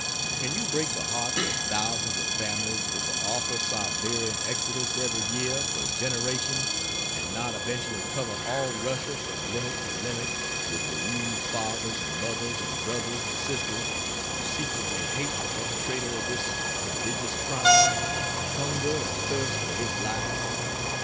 Can you break the hearts of thousands of families with the awful Siberian exodus every year for generations and not eventually cover all Russia from limit to limit with bereaved fathers and mothers and brothers and sisters who secretly hate the perpetrator of this prodigious crime and hunger and thirst for his life?